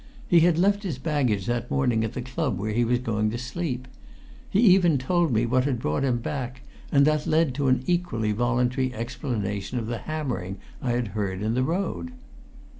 He had left his baggage that morning at the club where he was going to sleep. He even told me what had brought him back, and that led to an equally voluntary explanation of the hammering I had heard in the road.